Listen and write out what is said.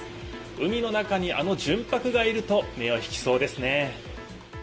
海の中にあの純白がいると目を引きそうですね。